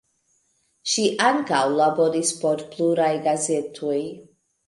Ŝi ankaŭ laboris por pluraj gazetoj.